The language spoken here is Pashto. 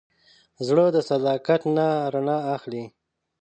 زړه د صداقت نه رڼا اخلي.